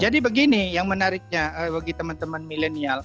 jadi begini yang menariknya bagi teman teman milenial